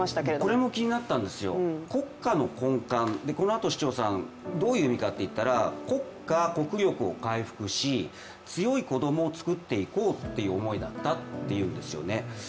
これも気になったんですよ、国家の根幹、このあと、市長さん、どういう意味かといったら国家、国力を回復し、強い子供を作っていこうという思いだったっていうんですよね。